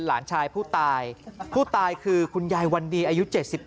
หลานชายผู้ตายผู้ตายคือคุณยายวันดีอายุ๗๑